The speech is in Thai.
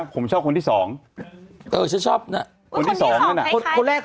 ผมชอบคุณค่ะคนนี้น่ารัก